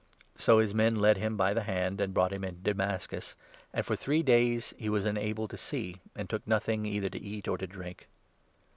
So his men led him by the hand, and brought him into Damascus ; and for three days 9 he was unable to see, and took nothing either to eat or to drink.